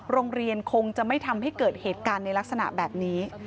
โรงเรียนคงจะไม่ทำให้เกิดเหตุการณ์ในลักษณะแบบนี้